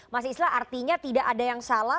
mas islah artinya tidak ada yang salah